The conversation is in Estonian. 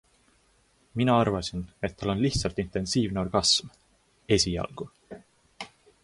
Mina arvasin, et tal on lihtsalt intensiivne orgasm ... esialgu.